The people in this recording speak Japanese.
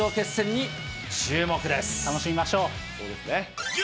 楽しみましょう。